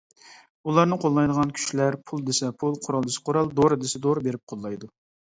ئۇلارنى قوللايدىغان كۈچلەر پۇل دېسە پۇل، قورال دېسە قورال، دورا دېسە دورا بېرىپ قوللايدۇ.